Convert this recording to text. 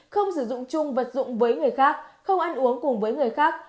không sử dụng chung vật dụng với người khác không ăn uống cùng với người khác